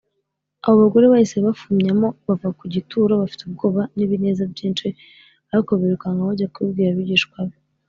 abo bagore bahise bafumyamo bava ku gituro “bafite ubwoba n’ibinezaneza byinshi, birukanka bajya kubibwira abigishwa be